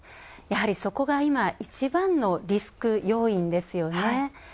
やはり、そこが今、一番のリスク要因ですよね。